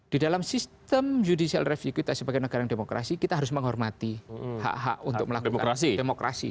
di dalam sistem judicial review kita sebagai negara yang demokrasi kita harus menghormati hak hak untuk melakukan demokrasi